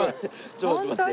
本当に？